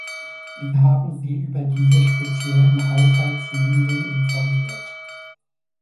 Wir haben Sie über diese speziellen Haushaltslinien informiert.